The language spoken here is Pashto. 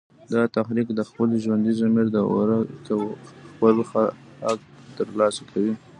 دا تحریک د خپل ژوندي ضمیر د اوره خپل حق تر لاسه کوي